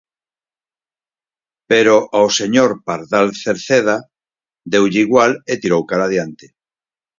Pero ao señor Pardal Cerceda deulle igual e tirou cara adiante.